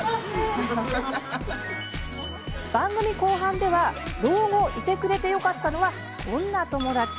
番組後半では「老後、いてくれてよかったのはこんな友達」。